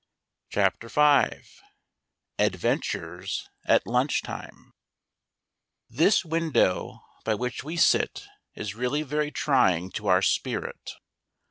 ADVENTURES AT LUNCH TIME This window by which we sit is really very trying to our spirit.